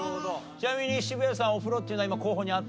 ちなみに渋谷さんお風呂っていうのは今候補にあった？